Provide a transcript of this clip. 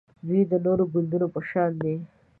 دوی د نورو ګوندونو په شان دي